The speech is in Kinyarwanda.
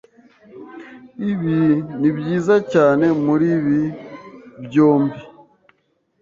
Ibi nibyiza cyane muribi byombi.